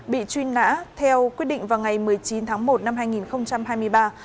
bị truy nã theo quyết định vào ngày một mươi chín tháng một năm hai nghìn hai mươi ba